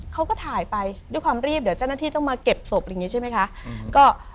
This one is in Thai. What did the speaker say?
เขาก็ถ่ายไปด้วยความรีบเดี๋ยวเจ้าหน้าที่ต้องมาเก็บศพอะไรอย่างนี้ใช่ไหมคะ